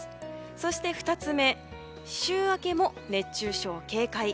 そして、２つ目週明けも熱中症警戒。